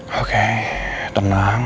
kok di reject doang